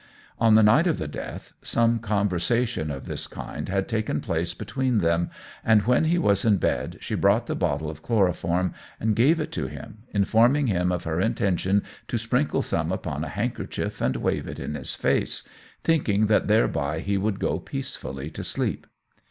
On the night of the death, some conversation of this kind had taken place between them, and when he was in bed she brought the bottle of chloroform and gave it to him, informing him of her intention to sprinkle some upon a handkerchief and wave it in his face, thinking that thereby he would go peacefully to sleep.